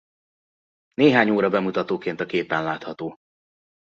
Néhány óra bemutatóként a képen látható.